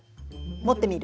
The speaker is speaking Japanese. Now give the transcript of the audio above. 持ってみる？